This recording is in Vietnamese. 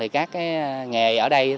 các nghề ở đây